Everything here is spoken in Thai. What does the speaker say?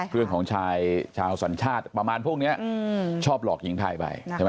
เพื่อนของชาวสันชาติประมาณพวกนี้ชอบหลอกหญิงไทยไป